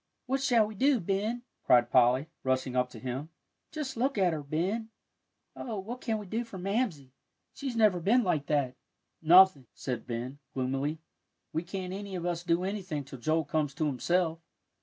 "What shall we do, Ben?" cried Polly, rushing up to him; "just look at her, Ben. Oh, what can we do for Mamsie! She's never been like that." "Nothing," said Ben, gloomily; "we can't any of us do anything till Joel comes to himself.